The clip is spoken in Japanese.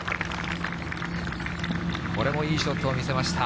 これもいいショットを見せました。